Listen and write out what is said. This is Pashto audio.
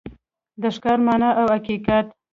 د ښکلا مانا او حقیقت